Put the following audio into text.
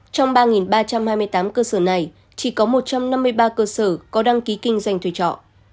trong ba ba trăm hai mươi tám cơ sở này chỉ có một trăm năm mươi ba cơ sở có đăng ký kinh doanh thuê trọ